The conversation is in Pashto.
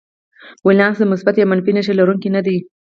ولانس د مثبت یا منفي نښې لرونکی نه دی.